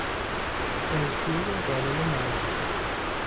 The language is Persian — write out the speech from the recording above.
ارثیهی قابل ملاحظه